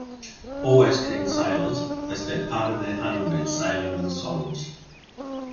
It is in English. Always keen sailors, they spent part of their honeymoon sailing in the Solent.